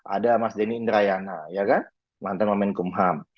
ada mas deni indrayana mantan memenkumham